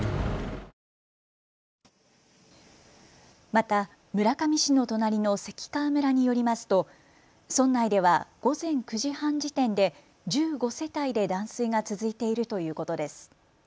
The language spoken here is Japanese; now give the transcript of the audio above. また村上市の隣の関川村によりますと村内では午前９時半時点で１５世帯で断水が続いているということです。